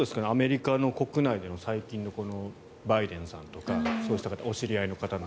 アメリカの国内での最近のバイデンさんとかそうした方の印象。